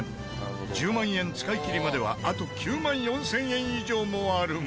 １０万円使い切りまではあと９万４０００円以上もあるが。